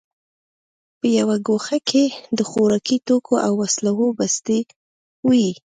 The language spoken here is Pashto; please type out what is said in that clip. په یوه ګوښه کې د خوراکي توکو او وسلو بستې وې